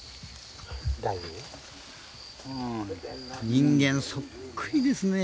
人間そっくりですね。